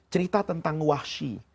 cerita tentang wahsy